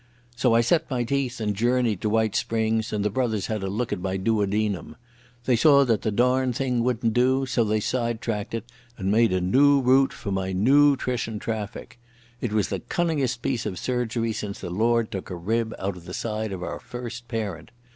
So I set my teeth and journeyed to White Springs, and the Brothers had a look at my duodenum. They saw that the darned thing wouldn't do, so they sidetracked it and made a noo route for my noo trition traffic. It was the cunningest piece of surgery since the Lord took a rib out of the side of our First Parent.